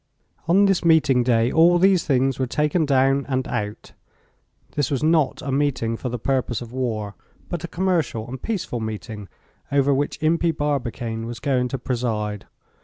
On this meeting day all these things were taken down and out. This was not a meeting for the purpose of war, but a commercial and peaceful meeting over which Impey Barbicane was going to preside.